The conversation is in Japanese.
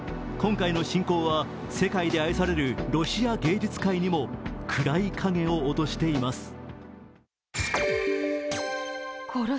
今回の侵攻は世界で愛されるロシア芸術界にも暗い影を落としています。